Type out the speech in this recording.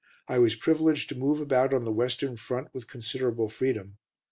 I was privileged to move about on the Western Front with considerable freedom.